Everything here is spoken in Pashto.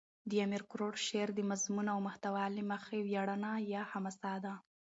د امیر کروړ شعر دمضمون او محتوا له مخه ویاړنه یا حماسه ده.